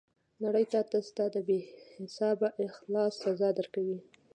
نړۍ تاته ستا د بې حسابه اخلاص سزا درکوي.